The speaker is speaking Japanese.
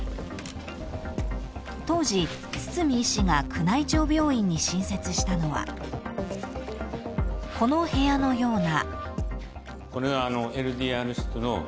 ［当時堤医師が宮内庁病院に新設したのはこの部屋のような］